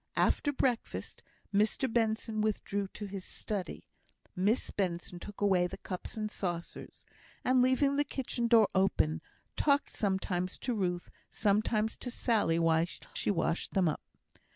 After breakfast, Mr Benson withdrew to his study, Miss Benson took away the cups and saucers, and, leaving the kitchen door open, talked sometimes to Ruth, sometimes to Sally, while she washed them up.